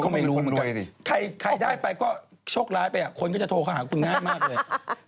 ก็ไม่รู้ใครได้ไปก็ชกร้ายไปคนก็จะโทรเขาหาคุณง่ายมากเลย